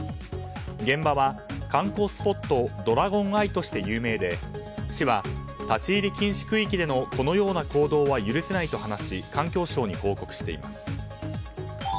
現場は観光スポットドラゴンアイとして有名で市は、立ち入り禁止区域でのこのような行動は許せないと話し環境省に報告しています。